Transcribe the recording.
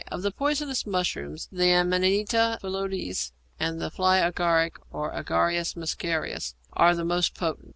= Of the poisonous mushrooms, the Amanita phalloides and the fly agaric, or Agaricus muscarius, are the most potent.